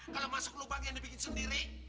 kalau masuk lubang yang dibikin sendiri